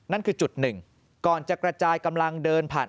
นั่นคือจุดหนึ่งก่อนจะกระจายกำลังเดินผ่าน